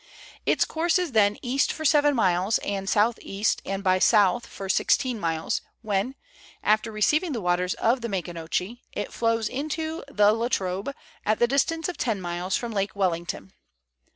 Its course is then east for seven miles, and south east and by south for sixteen miles, when, after receiving the waters of the Maconochie, it flows into the La Trobe at the distance of ten miles from Lake Wellington.